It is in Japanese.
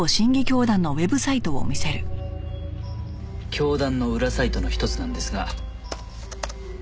教団の裏サイトの一つなんですが。